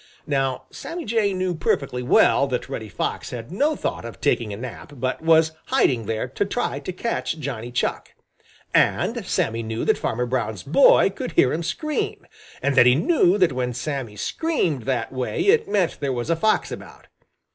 Now Sammy Jay knew perfectly well that Reddy Fox had no thought of taking a nap but was hiding there to try to catch Johnny Chuck. And Sammy knew that Farmer Brown's boy could hear him scream, and that he knew that when Sammy screamed that way it meant there was a fox about.